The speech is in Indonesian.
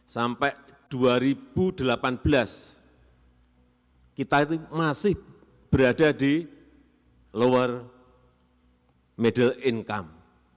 sampai dua ribu delapan belas kita itu masih berada di lower middle income